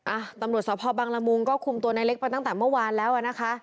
อ่ะตำรวจสพบังละมุงก็คุมตัวนายเล็กไปตั้งแต่เมื่อวานแล้วอ่ะนะคะ